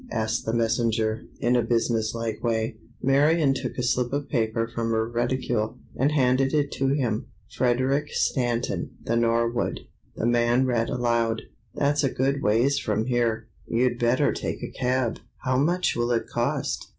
asked the messenger, in a business like way. Marion took a slip of paper from her reticule, and handed it to him. "Frederic Stanton, The Norwood," the man read aloud. "That's a good ways from here. You'd better take a cab." "How much will it cost?"